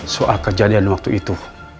soal kejadian waktu itu